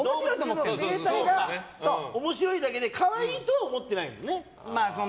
生態が面白いだけで可愛いとは思ってないもんね。